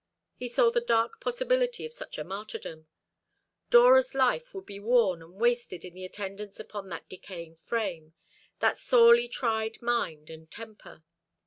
He saw the dark possibility of such a martyrdom. Dora's life would be worn and wasted in the attendance upon that decaying frame, that sorely tried mind and temper.